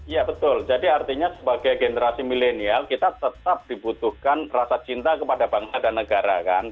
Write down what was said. ya betul jadi artinya sebagai generasi milenial kita tetap dibutuhkan rasa cinta kepada bangsa dan negara kan